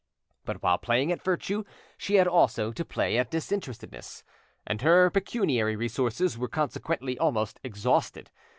But while playing at virtue she had also to play at disinterestedness, and her pecuniary resources were consequently almost exhausted.